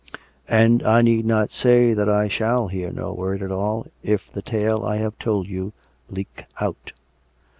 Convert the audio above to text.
" And I need not say that I shall hear no word at all, if the tale I have told you leak out."